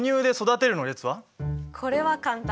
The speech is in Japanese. これは簡単。